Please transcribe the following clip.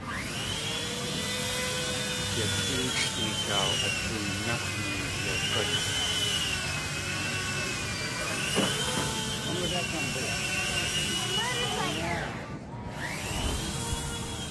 Yatʼéexʼi gaaw a tóonáx̲ yiyagút.